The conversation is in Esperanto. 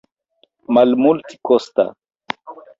malmultekosta